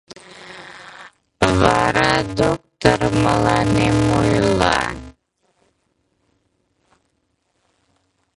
Вара доктор мыланем ойла: